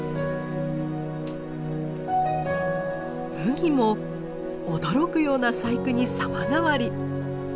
麦も驚くような細工に様変わり。